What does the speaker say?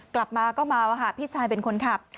กลับมาก็เมาพี่ชายเป็นคนขับ